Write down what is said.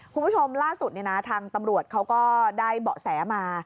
คุณผู้ชมล่าสุดทางตำรวจเขาก็ได้เบาะแสมา